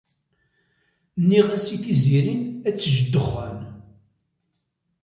Nniɣ-as i Tiziri ad tejj ddexxan.